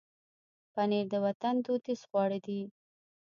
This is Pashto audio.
پنېر د وطن دودیز خواړه دي.